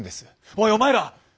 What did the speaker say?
「おいお前ら！」。